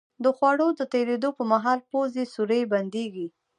د خوړو د تېرېدو په مهال پوزې سوری بندېږي.